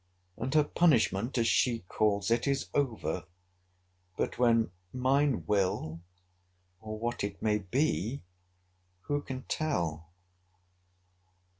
And her punishment, as she calls it, is over: but when mine will, or what it may be, who can tell?